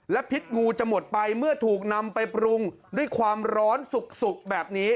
พิษงูจะหมดไปเมื่อถูกนำไปปรุงด้วยความร้อนสุกแบบนี้